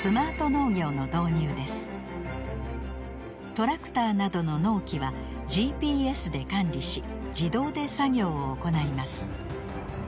トラクターなどの農機はＧＰＳで管理し自動で作業を行います。